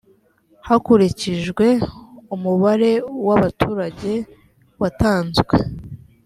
hakurikjwe umubare w abaturage watanzwe